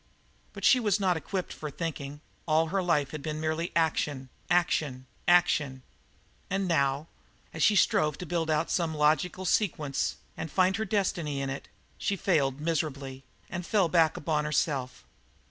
But she was not equipped for thinking, all her life had been merely action, action, action, and now, as she strove to build out some logical sequence and find her destiny in it, she failed miserably, and fell back upon herself.